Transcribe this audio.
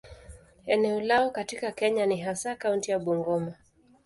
Eneo lao katika Kenya ni hasa kaunti ya Bungoma.